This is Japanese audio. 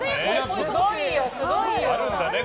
すごいよ。